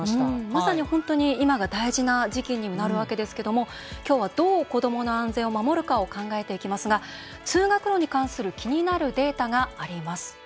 まさに本当に今が大事な時期になるわけですがきょうはどう子どもの安全を守るかを考えていきますが通学路に関する気になるデータがあります。